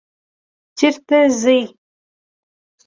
چیرته ځئ؟